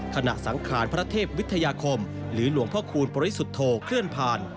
สังขารพระเทพวิทยาคมหรือหลวงพ่อคูณปริสุทธโธเคลื่อนผ่าน